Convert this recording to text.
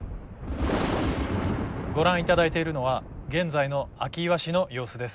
ご覧いただいているのは現在の明岩市の様子です。